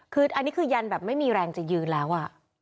คืออันนี้คือยันแบบไม่มีแรงจะยืนแล้ว